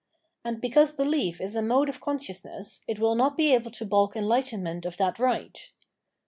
And because behef is a mode of consciousness, it will not be able to balk enhghtenment of that right.